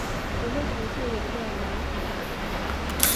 整个城市沿着楠河岸。